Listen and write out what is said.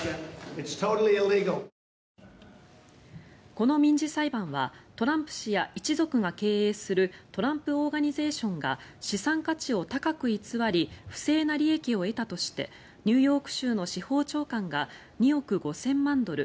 この民事裁判はトランプ氏や一族が経営するトランプ・オーガニゼーションが資産価値を高く偽り不正な利益を得たとしてニューヨーク州の司法長官が２億５０００万ドル